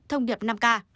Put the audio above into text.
thông điệp năm k